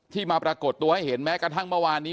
มาปรากฏตัวให้เห็นแม้กระทั่งเมื่อวานนี้